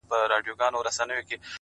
راسه د زړه د سکون غيږي ته مي ځان وسپاره،